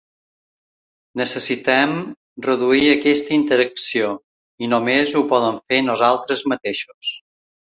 Necessitem reduir aquesta interacció, i només ho podem fer nosaltres mateixos.